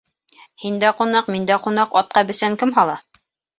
Һин дә ҡунаҡ, мин дә ҡунаҡ -Атҡа бесән кем һала?